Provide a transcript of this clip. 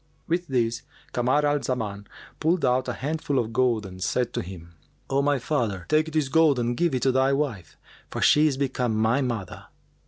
With this Kamar al Zaman pulled out a handful of gold and said to him, "O my father, take this gold and give it to thy wife, for she is become my mother."